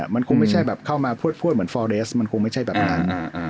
มันคงไม่ใช่แบบเข้ามาพวดเหมือนฟอร์เรสมันคงไม่ใช่แบบนั้น